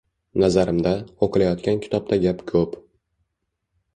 Nazarimda, o‘qilayotgan kitobda gap ko’p.